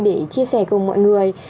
để chia sẻ cùng mọi người